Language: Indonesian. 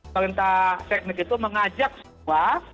perintah teknik itu mengajak semua